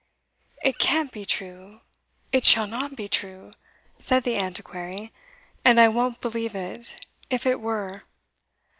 "It can't be true! it shall not be true!" said the Antiquary, "And I won't believe it if it were!